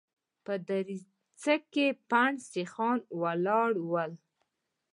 په دريڅه کې پنډ سيخان ولاړ ول.